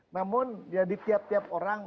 namun di tiap tiap orang